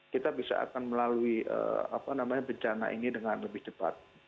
kita bisa akan melalui bencana ini dengan lebih cepat